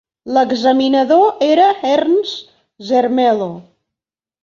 L'examinador era Ernst Zermelo.